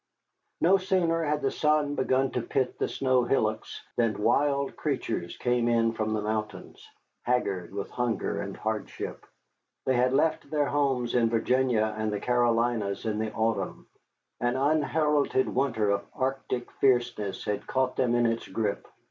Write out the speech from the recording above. No sooner had the sun begun to pit the snow hillocks than wild creatures came in from the mountains, haggard with hunger and hardship. They had left their homes in Virginia and the Carolinas in the autumn; an unheralded winter of Arctic fierceness had caught them in its grip.